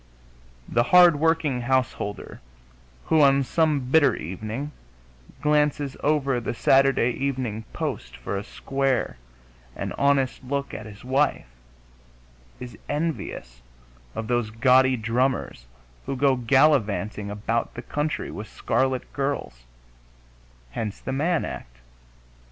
The hard working householder who, on some bitter evening, glances over the Saturday Evening Post for a square and honest look at his wife is envious of those gaudy drummers who go gallivanting about the country with scarlet girls; hence the Mann act.